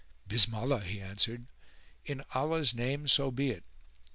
"Bismallah," he answered, "In Allah's name so be it!"